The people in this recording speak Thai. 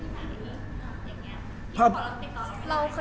แล้วมันไม่ได้บอกเค้าว่าเตียงที่ไหน